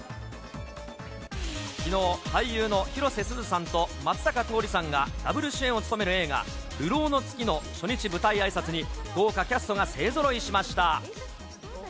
きのう、俳優の広瀬すずさんと松坂桃李さんがダブル主演を務める映画、流浪の月の初日舞台あいさつに豪華キャストが勢ぞろいしました。